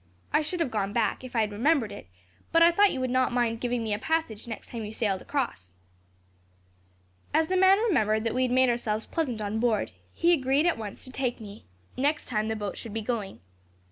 I should have gone back, if I had remembered it, but I thought you would not mind giving me a passage the next time you sailed across.' "As the man remembered that we had made ourselves pleasant on board, he agreed at once to take me, next time the boat should be going.